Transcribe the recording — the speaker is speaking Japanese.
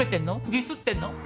ディスってんの？